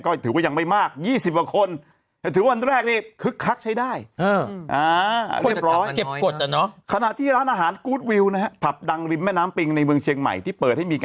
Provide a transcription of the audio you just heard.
ก็ถือว่ายังไม่มากยี่สิบอ่ะคนถือวันแรกนี่คึกคักใช้ได้